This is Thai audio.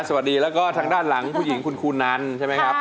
สวัสดีแล้วก็ทางด้านหลังผู้หญิงคุณครูนันใช่ไหมครับ